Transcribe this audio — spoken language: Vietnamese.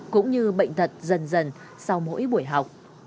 cũng như bệnh thật dần dần sau mỗi buổi học